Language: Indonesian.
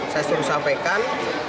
saya suruh sampaikan